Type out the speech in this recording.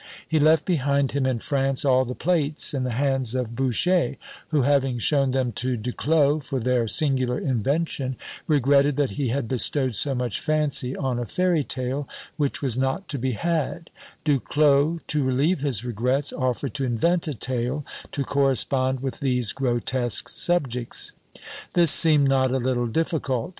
He left behind him in France all the plates in the hands of Boucher, who, having shown them to Du Clos for their singular invention, regretted that he had bestowed so much fancy on a fairy tale, which was not to be had; Du Clos, to relieve his regrets, offered to invent a tale to correspond with these grotesque subjects. This seemed not a little difficult.